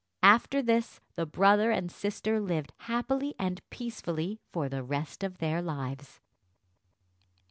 After this, the brother and sister lived happily and peacefully for the rest of their lives.